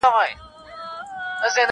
ستا د هجران په تبه پروت یم مړ به سمه-